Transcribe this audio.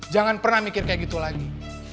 jangan pernah mikir kayak gitu lagi